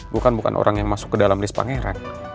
gue kan bukan orang yang masuk ke dalam riz pangeran